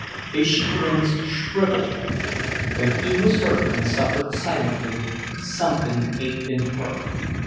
His chagrins shrivelled her. When he was hurt and suffered silently, something ached in her.